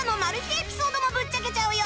エピソードもぶっちゃけちゃうよ！